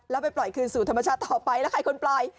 แล้วไปปล่อยคืนสู่ธรรมชาติต่อไปแล้วใครคนปล่อย